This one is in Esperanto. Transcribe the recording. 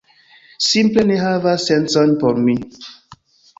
Simple ne havas sencon por mi